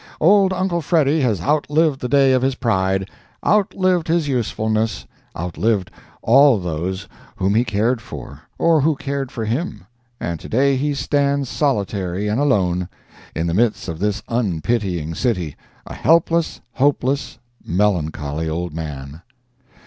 Old Uncle Freddy has outlived the day of his pride, outlived his usefulness, outlived all those whom he cared for or who cared for him—and to day he stands solitary and alone, in the midst of this unpitying city, a helpless, hopeless, melancholy old man.